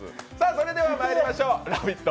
それではまいりましょう、「ラヴィット！」